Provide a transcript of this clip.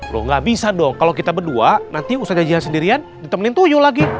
lo gak bisa dong kalo kita berdua nanti usaha jajahan sendirian ditemenin tuyu lagi